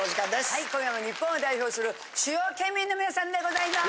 はい今夜も日本を代表する主要県民のみなさんでございます。